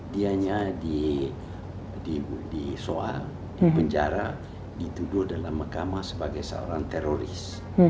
dianya disoal dipenjara dituduh dalam mahkamah sebagai seorang teroris